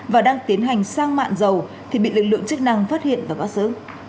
và đang tiến hành sang mạng dầu thì bị lực lượng chức năng phát hiện và bắt giữ